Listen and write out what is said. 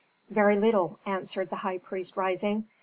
"Very little," answered the high priest rising.